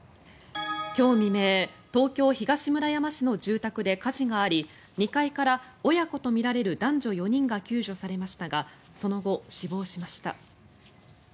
今日未明、東京・東村山市の住宅で火事があり２階から親子とみられる男女４人が救助されましたがその後、死亡しました。